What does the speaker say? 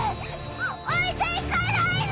置いていかないで！